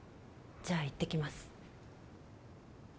じゃあ行ってきます